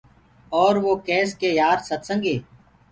اور وو ڪيس ڪي يآر ستسنگ هي۔